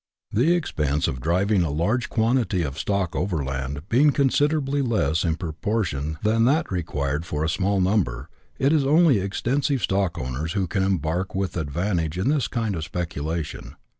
The expense of driving a large quantity of stock overland being considerably less in proportion than that required for a small number, it is only extensive stockowners who can embark with advantage in this kind of speculation.